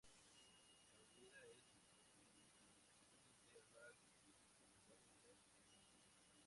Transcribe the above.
La bebida es equivalente a la calvados de Normandía.